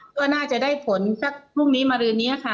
ก็น่าจะได้ผลสักพรุ่งนี้มารืนนี้ค่ะ